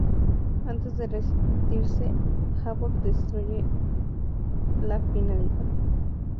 Antes de rendirse, Havok destruye la Finalidad.